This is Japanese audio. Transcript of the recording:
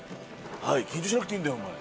緊張しなくていいんだよお前。